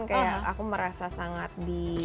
kayak aku merasa sangat di